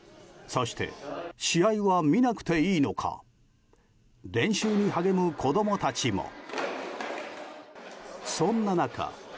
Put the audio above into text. そして、試合は見なくていいのか練習に励む子供たちも。